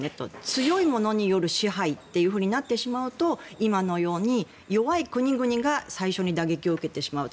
強い者による支配というふうになってしまうと今のように弱い国々が最初に打撃を受けてしまう。